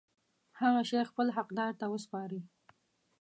هغه شی خپل حقدار ته وسپاري.